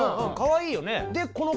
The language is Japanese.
かわいいよね。